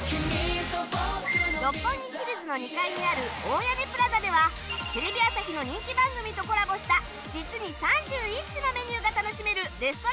六本木ヒルズの２階にある大屋根プラザではテレビ朝日の人気番組とコラボした実に３１種のメニューが楽しめるレストランブースを展開！